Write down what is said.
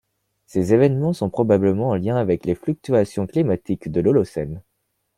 Ces événements sont probablement en lien avec les fluctuations climatiques de l'Holocène.